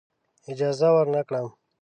اجازه ورنه کړم.